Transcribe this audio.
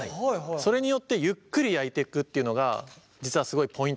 それによってゆっくり焼いていくっていうのが実はすごいポイントなんです。